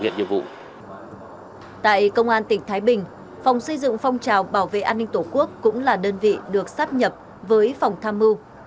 tại công an tỉnh thái bình phòng xây dựng phong trào bảo vệ an ninh tổ quốc cũng là đơn vị được sắp nhập với phòng tham mưu